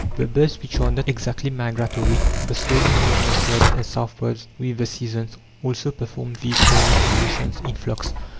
The birds which are not exactly migratory, but slowly move northwards and southwards with the seasons, also perform these peregrinations in flocks.